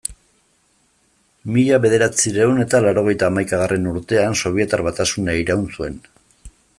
Mila bederatziehun eta laurogeita hamaikagarren urtean Sobietar Batasuna iraun zuen.